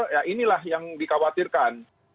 ya inilah yang dikhawatirkan